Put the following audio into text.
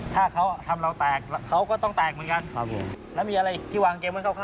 ทำเราแตกเขาก็ต้องแตกเหมือนกัน